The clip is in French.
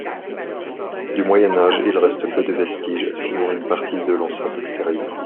Du Moyen Âge, il reste peu de vestiges, sinon une partie de l'enceinte extérieure.